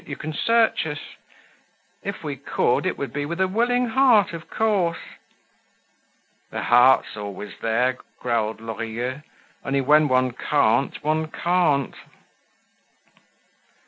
You can search us. If we could, it would be with a willing heart, of course." "The heart's always there," growled Lorilleux. "Only when one can't, one can't."